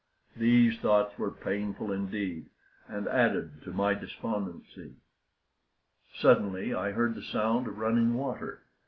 These thoughts were painful indeed, and added to my despondency. Suddenly I heard the sound of running water.